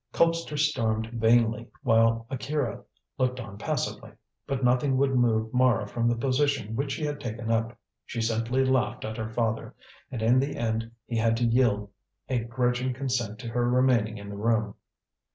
Colpster stormed vainly, while Akira looked on passively. But nothing would move Mara from the position which she had taken up. She simply laughed at her father, and in the end he had to yield a grudging consent to her remaining in the room.